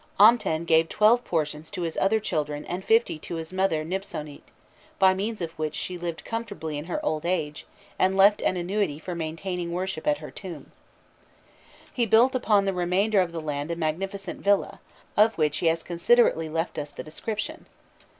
Amten gave twelve portions to his other children and fifty to his mother Nibsonît, by means of which she lived comfortably in her old age, and left an annuity for maintaining worship at her tomb. He built upon the remainder of the land a magnificent villa, of which he has considerately left us the description.